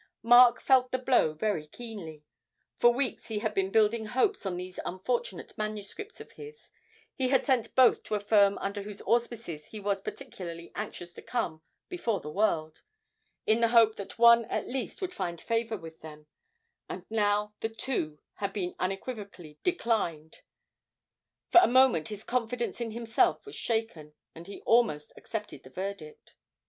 Mark felt the blow very keenly; for weeks he had been building hopes on these unfortunate manuscripts of his; he had sent both to a firm under whose auspices he was particularly anxious to come before the world, in the hope that one at least would find favour with them, and now the two had been unequivocally declined; for a moment his confidence in himself was shaken, and he almost accepted the verdict.